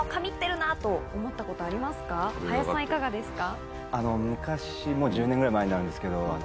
林さんいかがですか？